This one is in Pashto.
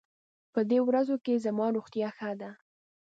په دې ورځو کې زما روغتيا ښه ده.